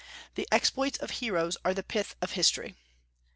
The exploits of heroes are the pith of history.